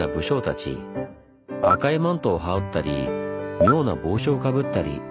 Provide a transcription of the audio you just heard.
赤いマントを羽織ったり妙な帽子をかぶったり。